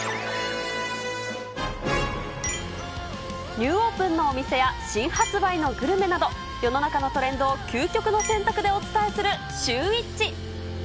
ニューオープンのお店や、新発売のグルメなど、世の中のトレンドを究極の選択でお伝えするシューＷｈｉｃｈ。